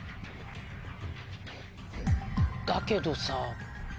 だけどさ。